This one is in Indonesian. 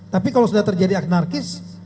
tapi kalau sudah terjadi anarkis